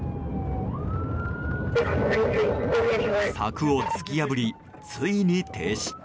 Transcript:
柵を突き破り、ついに停止。